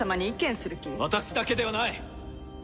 私だけではない！